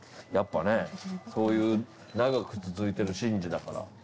やっぱねそういう長く続いてる神事だから。